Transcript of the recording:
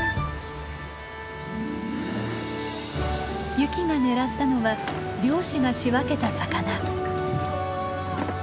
ユキが狙ったのは漁師が仕分けた魚。